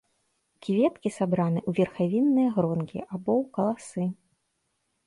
Кветкі сабраны ў верхавінныя гронкі або ў каласы.